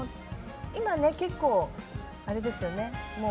今、結構あれですよね。